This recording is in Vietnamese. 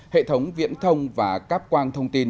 hệ thống viễn thông và các quang thông tin